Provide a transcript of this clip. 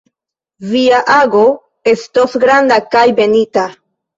Via ago estos granda kaj benita.